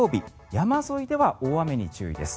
山沿いでは大雨に注意です。